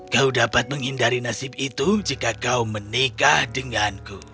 kau dapat menghindari nasib itu jika kau menikah denganku